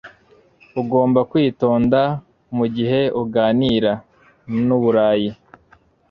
Ugomba kwitonda mugihe uganira nu Burayi.